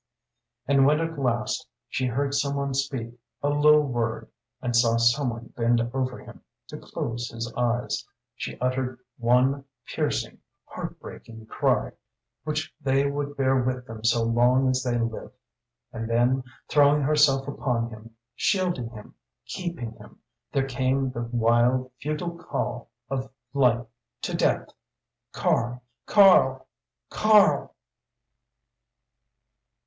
And when at last she heard some one speak a low word, and saw some one bend over him to close his eyes, she uttered one piercing, heartbreaking cry which they would bear with them so long as they lived. And then, throwing herself upon him, shielding him, keeping him, there came the wild, futile call of life to death "Karl! Karl! _Karl!